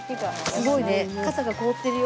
すごいね傘が凍ってるよ。